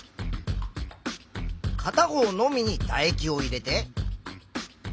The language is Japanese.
かた方のみにだ液を入れて。